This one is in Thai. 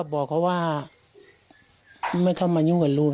ก็บอกเค้าว่าไม่ต้องมายุ่งกับฮะ